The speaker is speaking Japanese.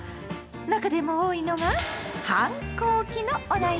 中でも多いのが「反抗期」のお悩み！